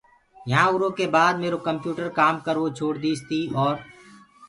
يهآنٚ آرآ ڪي بآد ميرو ڪمپِيوٽر ڪآم ڪروو ڇوڙديٚس تي اورَ